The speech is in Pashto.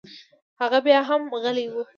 هغه بيا هم غلى و.